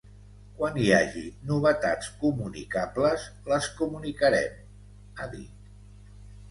“Quan hi hagi novetats comunicables, les comunicarem”, ha dit.